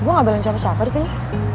gue gak belain siapa siapa disini